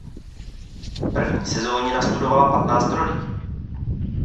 V první sezóně nastudovala patnáct rolí.